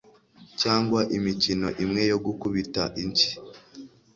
cyangwa imikino imwe yo gukubita inshyi